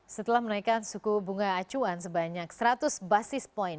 setelah menaikkan suku bunga acuan sebanyak seratus basis point